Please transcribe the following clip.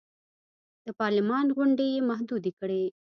د پارلمان غونډې یې محدودې کړې.